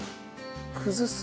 崩す。